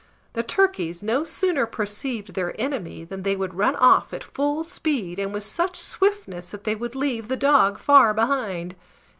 The turkeys no sooner perceived their enemy than they would run off at full speed, and with such swiftness that they would leave the dog far behind.